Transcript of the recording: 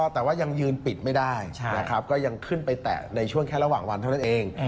แต่ว่ายังยืนปิดไม่ได้นะครับก็ยังขึ้นไปแตะในช่วงแค่ระหว่างวันเท่านั้นเอง